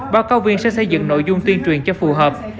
báo cáo viên sẽ xây dựng nội dung tuyên truyền cho phù hợp